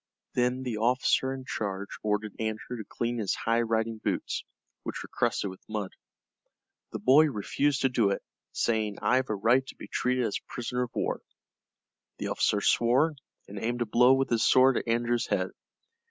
Then the officer in charge ordered Andrew to clean his high riding boots, which were crusted with mud. The boy refused to do it, saying, "I've a right to be treated as a prisoner of war." The officer swore, and aimed a blow with his sword at Andrew's head.